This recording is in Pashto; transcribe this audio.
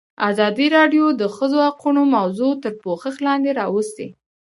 ازادي راډیو د د ښځو حقونه موضوع تر پوښښ لاندې راوستې.